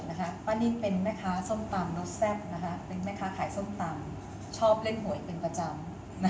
เจ้านิ่มเป็นแม่คะส้มตำลดแซ่บชอบเล่นหวยเป็นประจำ